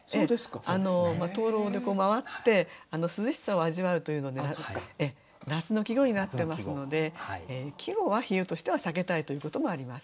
灯籠で回って涼しさを味わうというので夏の季語になってますので季語は比喩としては避けたいということもあります。